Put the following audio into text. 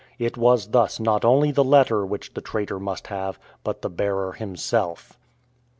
It was thus not only the letter which the traitor must have, but the bearer himself.